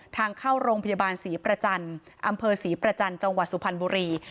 ทางเข้าโรงพยาบาลศรีประจันทร์อำเภอศรีประจันทร์จังหวัดสุพรรณบุรี